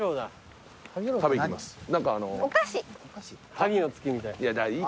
萩の月みたい。